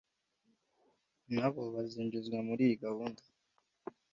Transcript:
nabobazinjizwa muri iyi gahunda